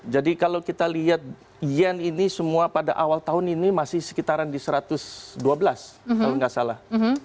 jadi kalau kita lihat yen ini semua pada awal tahun ini masih sekitaran di satu ratus dua belas kalau nggak salah